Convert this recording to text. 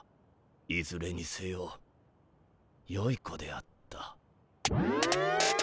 いずれにせよよい子であった。